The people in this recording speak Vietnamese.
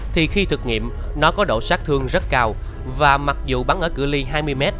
thì khi thực nghiệm nó có độ sát thương rất cao và mặc dù bắn ở cửa ly hai mươi m